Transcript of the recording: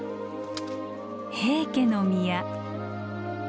平家之宮。